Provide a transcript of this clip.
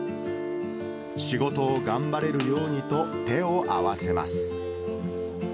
仕事を頑張れるようにと、手を合わせます。